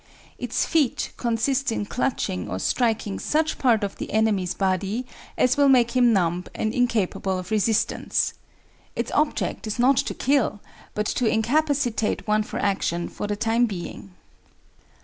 Its feat consists in clutching or striking such part of the enemy's body as will make him numb and incapable of resistance. Its object is not to kill, but to incapacitate one for action for the time being.